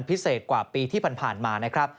พิเศษกว่าปีที่ผ่านมานะครับ